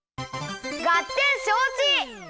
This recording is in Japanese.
がってんしょうち！